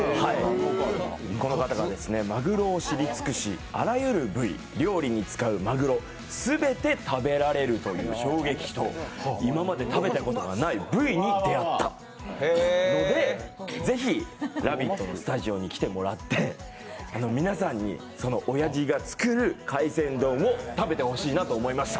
この方がマグロを知り尽くしあらゆる部位、料理に使うマグロ全て食べられるという衝撃と今まで食べたことがない部位に出会ったので、是非「ラヴィット！」のスタジオに来てもらって皆さんにそのおやじが作る海鮮丼を食べてほしいなと思いました。